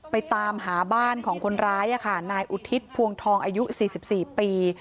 ตามหาบ้านของคนร้ายนายอุทิศพวงทองอายุ๔๔ปี